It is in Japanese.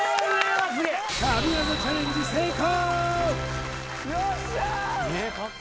神業チャレンジ成功！